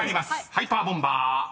ハイパーボンバー第２問］